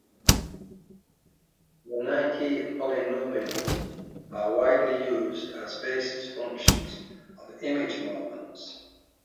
Zernike polynomials are widely used as basis functions of image moments.